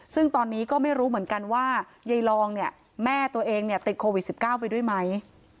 ซึ่งตอนนี้ก็ไม่รู้เหมือนกันว่ายายลองเนี่ยแม่ตัวเองเนี่ยติดโควิด๑๙ไปด้วยไหม